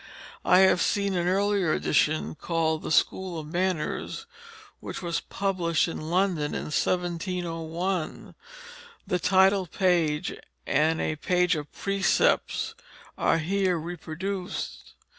I have seen an earlier edition, called The School of Manners, which was published in London in 1701. The title page and a page of the precepts are here reproduced.